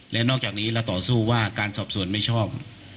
และนอกจากนี้เราต่อสู้ว่าการสอบสวนไม่ชอบ